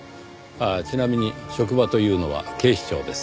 ああちなみに職場というのは警視庁です。